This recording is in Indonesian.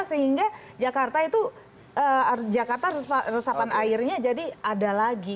sehingga jakarta itu jakarta resapan airnya jadi ada lagi